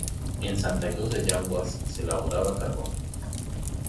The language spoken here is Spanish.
En Santa Cruz de Yanguas se elaboraba carbón.